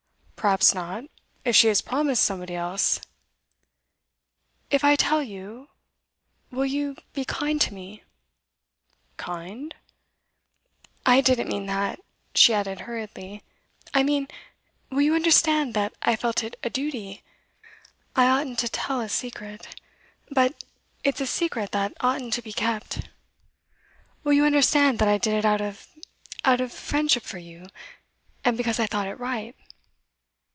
'Perhaps not if she has promised somebody else.' 'If I tell you will you be kind to me?' 'Kind?' 'I didn't mean that,' she added hurriedly. 'I mean will you understand that I felt it a duty? I oughtn't to tell a secret; but it's a secret that oughtn't to be kept. Will you understand that I did it out of out of friendship for you, and because I thought it right?